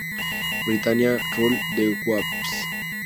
Britannia, rule the waves.